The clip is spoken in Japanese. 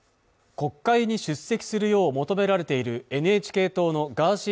国会に出席するよう求められているＮＨＫ党のガーシー